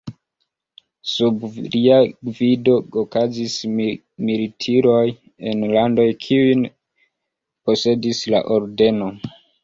Sub lia gvido okazis militiroj en landoj kiujn posedis la ordeno.